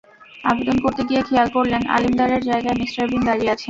আবেদন করতে গিয়ে খেয়াল করলেন, আলিম দারের জায়গায় মিস্টার বিন দাঁড়িয়ে আছেন।